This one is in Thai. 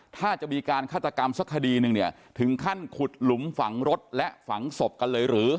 ถ้าจะมีการฆาตกรรมสักคดีหนึ่งเนี่ยถึงขั้นขุดหลุมฝังรถและฝังศพกันเลยหรือ